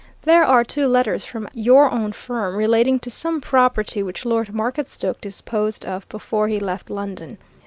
There are two letters from your own firm, relating to some property which Lord Marketstoke disposed of before he left London.